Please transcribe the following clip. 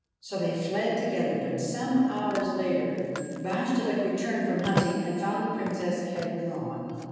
So they fled together. But, some hours later, Bashtchelik .re turned from hunting and found the Princess had gone.